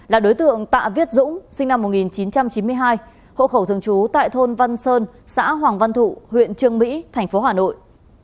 là đối tượng tạ viết dũng sinh năm một nghìn chín trăm chín mươi hai hộ khẩu thường trú tại thôn văn sơn xã hoàng văn thụ huyện trương mỹ thành phố hà nội